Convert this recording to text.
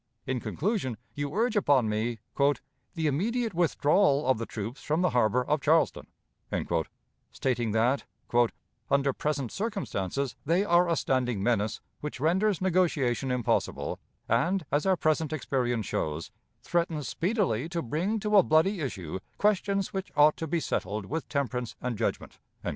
In conclusion, you urge upon me "the immediate withdrawal of the troops from the harbor of Charleston," stating that, "under present circumstances, they are a standing menace, which renders negotiation impossible, and, as our present experience shows, threatens speedily to bring to a bloody issue questions which ought to be settled with temperance and judgment."